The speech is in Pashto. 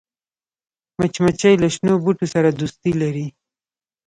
مچمچۍ له شنو بوټو سره دوستي لري